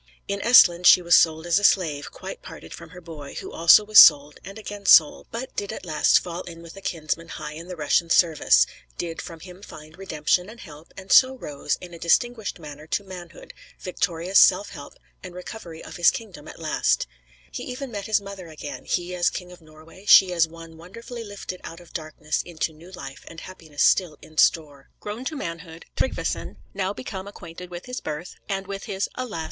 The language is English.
In Esthland she was sold as a slave, quite parted from her boy, who also was sold, and again sold; but did at last fall in with a kinsman high in the Russian service; did from him find redemption and help, and so rose, in a distinguished manner, to manhood, victorious self help, and recovery of his kingdom at last. He even met his mother again, he as King of Norway, she as one wonderfully lifted out of darkness into new life, and happiness still in store. [Footnote 10: Tryggve, one of the Norwegian sub kings, slain by order of Gunhild, Queen of Norway.] Grown to manhood, Tryggveson, now become acquainted with his birth, and with his, alas!